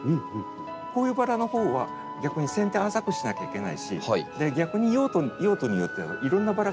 こういうバラのほうは逆に剪定浅くしなきゃいけないし逆に用途によっていろんなバラが出てきたということですね。